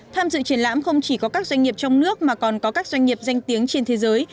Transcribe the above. tham dự triển lãm không chỉ có các doanh nghiệp trong nước mà còn có các doanh nghiệp danh tiếng trên thế giới